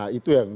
nah itu yang